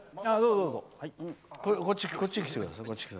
こっちに来てください。